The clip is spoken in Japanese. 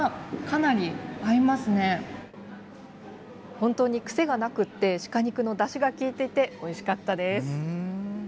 本当に癖がなく、鹿肉のだしがきいておいしかったです。